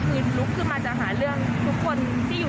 คืนลุกขึ้นมาจะหาเรื่องทุกคนที่อยู่ตรงนั้นอย่างเดียวเลย